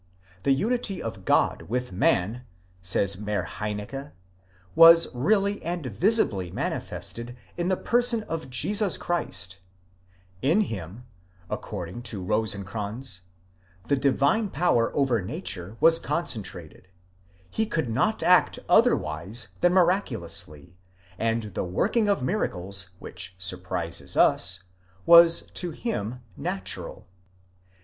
The unity of God with man, says Marheineke,! was really and visibly manifested in the person of Jesus: Christ; in him, according to Rosenkranz," the divine power over nature was concentrated, he could not act otherwise than miraculously, and the working of miracles, which surprises us, was to him natural.